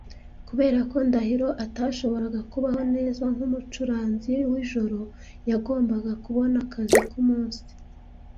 Kubera ko Ndahiro atashoboraga kubaho neza nkumucuranzi wijoro, yagombaga kubona akazi kumunsi.